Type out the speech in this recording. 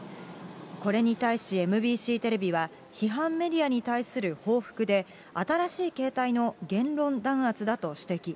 これに対しＭＢＣテレビは、批判メディアに対する報復で、新しい形態の言論弾圧だと指摘。